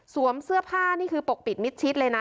เสื้อผ้านี่คือปกปิดมิดชิดเลยนะ